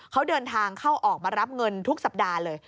เขาเดินทางเข้าออกมารับเงินทุกสัปดาห์เลย